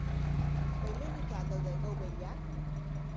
Baimenduta al daude gaubeilak?